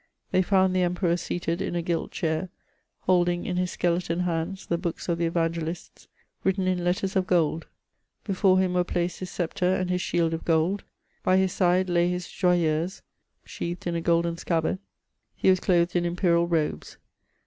They found the em peror seated in a gilt chair, holding in his skeleton hands the books of the Evangelists, written in letters of gold ; before him were placed his sceptre and his shield of gold, by his side lay his ''^joyeuse^^ sheathed in a golden scabbard. He was clothed in imperial robes.